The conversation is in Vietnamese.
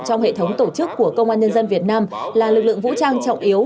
trong hệ thống tổ chức của công an nhân dân việt nam là lực lượng vũ trang trọng yếu